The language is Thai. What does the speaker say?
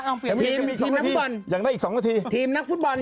เอาเปลี่ยนทีมมีทีมนักฟุตบอลยังได้อีกสองนาทีทีมนักฟุตบอล